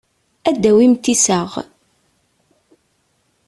Ad d-tawimt iseɣ.